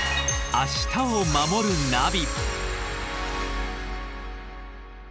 「明日をまもるナビ」